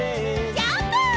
ジャンプ！